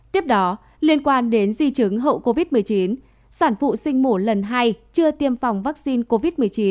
tiếp đó liên quan đến di chứng hậu covid một mươi chín sản phụ sinh mổ lần hai chưa tiêm phòng vaccine covid một mươi chín